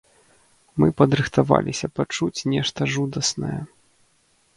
Мы падрыхтаваліся пачуць нешта жудаснае.